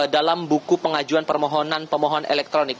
dalam buku pengajuan permohonan pemohon elektronik